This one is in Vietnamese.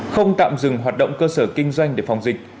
không tạm dừng hoạt động cơ sở kinh doanh để phòng dịch